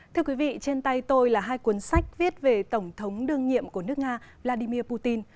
thưa quý vị trên tay tôi là hai cuốn sách viết về tổng thống đương nhiệm của nước nga vladimir putin